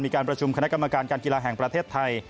มีการประชุมคณะกรรมการการกีฬาแห่งประเทศไทย